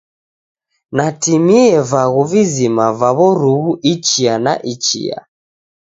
Natimie vaghu vizima va w'oruw'u ichia na ichia.